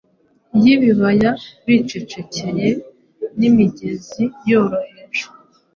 y'ibibaya bicecekeye n'imigezi yoroheje